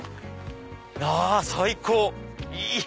あ最高！